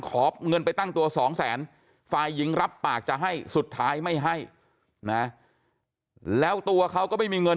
ขอเงินไปตั้งตัวสองแสนฝ่ายหญิงรับปากจะให้สุดท้ายไม่ให้นะแล้วตัวเขาก็ไม่มีเงิน